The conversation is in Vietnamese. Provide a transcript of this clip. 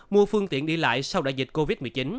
mua phương tiện đi lại sau đại dịch covid một mươi chín